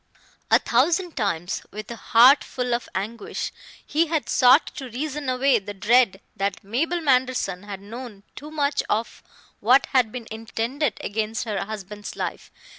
A thousand times, with a heart full of anguish, he had sought to reason away the dread that Mabel Manderson had known too much of what had been intended against her husband's life.